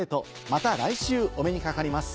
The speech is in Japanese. また来週お目にかかります。